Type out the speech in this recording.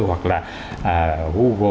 hoặc là google